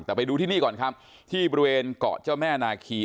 แต่ไปดูที่นี่ก่อนครับที่บริเวณเกาะเจ้าแม่นาคี